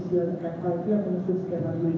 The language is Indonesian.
satu tangan kena